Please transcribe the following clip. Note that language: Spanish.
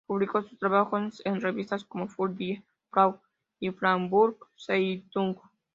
Publicó sus trabajos en revistas como "Fur die Frau" y "Frankfurter Zeitung".